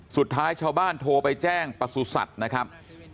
สุดท้ายชาวบ้านโทรไปแจ้งประสุทธิ์นะครับ